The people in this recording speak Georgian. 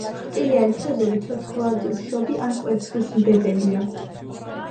ხრტილიანი თევზები ცოცხლადმშობი ან კვერცხისმდებელია.